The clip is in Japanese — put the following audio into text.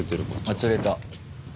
あ釣れた。